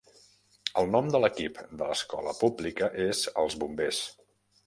El nom de l'equip de l'escola pública és els Bombers.